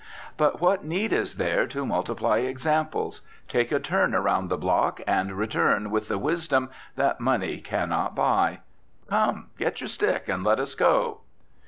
But what need is there to multiply examples? Take a turn around the block and return with the wisdom that money can not buy. Come; get your stick and let us go.